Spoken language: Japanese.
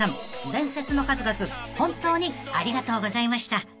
伝説の数々本当にありがとうございました］